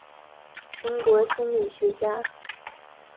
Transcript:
中国心理学家。